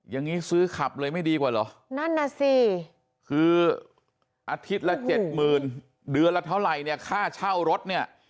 อย่างนี้ซื้อขับเลยไม่ดีกว่าหรือคืออาทิตย์ละ๗๐๐๐๐บาทเดือนละเท่าไหร่ค่าเช่ารถ